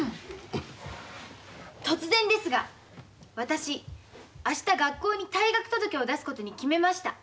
突然ですが私明日学校に退学届を出すことに決めました。